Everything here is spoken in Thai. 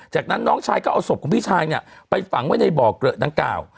จากนั้นน้องชายก็เอาศพของพี่ชายเนี่ยไปฝังไว้ในบ่อเกลอะดังกล่าว